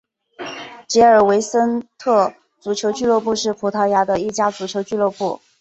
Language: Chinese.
吉尔维森特足球俱乐部是葡萄牙的一家足球俱乐部。